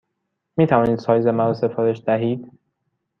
می توانید سایز مرا سفارش دهید؟